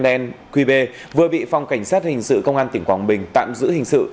nen quy bê vừa bị phòng cảnh sát hình sự công an tỉnh quảng bình tạm giữ hình sự